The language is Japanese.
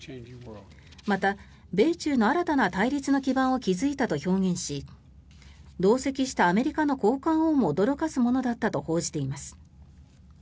また、米中の新たな対立の基盤を築いたと表現し同席したアメリカの高官をも驚かすものだったと報じています。